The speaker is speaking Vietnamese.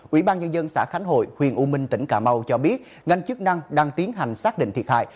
ủy ban nhân dân xã khánh hội huyện u minh tỉnh cà mau cho biết ngành chức năng đang tiến hành xác định thiệt hại